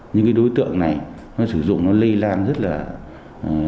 những cái đối tượng này nó sử dụng nó lây lan rất là